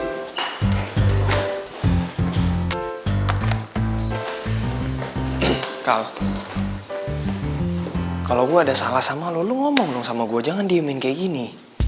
hai kau kalau gue ada salah sama lu ngomong dong sama gue jangan diamin kayak gini